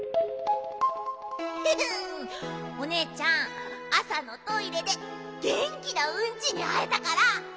フフフおねえちゃんあさのトイレでげんきなうんちにあえたからうれしいの！